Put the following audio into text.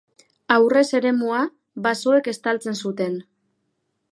Aurrez eremua basoek estaltzen zuten.